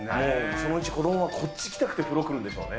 そのうち子どもは、こっち来たくて風呂来るんでしょうね。ね！